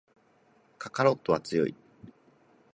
カカロットは強い